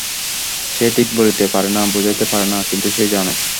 সে ঠিক বলিতে পারে না, বুঝাইতে পারে না, কিন্তু সে জানে।